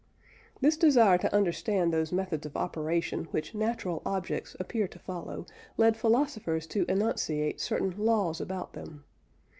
This desire to understand those methods of operation which natural objects appear to follow, led philosophers to enunciate certain "laws" about them.